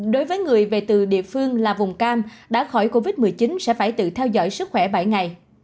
đối với người về từ địa phương là vùng cam đã khỏi covid một mươi chín sẽ phải tự theo dõi sức khỏe bảy ngày